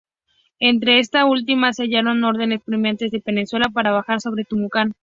Entre esta última se hallaban órdenes apremiantes de Pezuela para avanzar sobre Tucumán.